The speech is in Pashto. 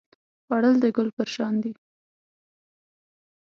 خوړل د ګل پر شان دی